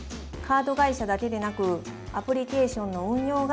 カード会社だけでなくアプリケーションの運用